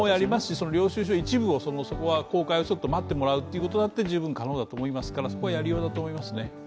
領収書を出すのを待ってもらうとか、十分可能だと思いますから、そこはやりようだと思いますね。